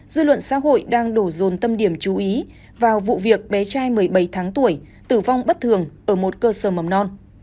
dư luận xã hội đang đổ dồn tâm điểm chú ý vào vụ việc bé trai một mươi bảy tháng tuổi tử vong bất thường ở một cơ sở mầm non